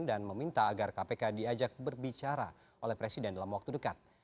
dan meminta agar kpk diajak berbicara oleh presiden dalam waktu dekat